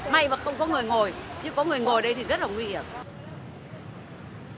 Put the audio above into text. may và không có người ngồi chứ có người ngồi đây thì rất là nguy hiểm